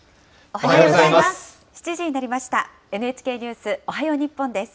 おはようございます。